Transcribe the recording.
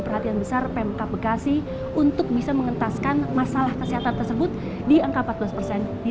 perhatian besar pmk bekasi untuk bisa mengentaskan masalah kesehatan tersebut di angka empat belas persen di